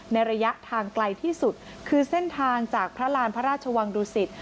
ระยะทางไกลที่สุดคือเส้นทางจากพระราณพระราชวังดุสิต